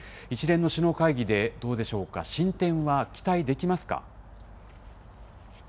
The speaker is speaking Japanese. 一連の首脳会議で、どうでしょうか、進展は期待できますか。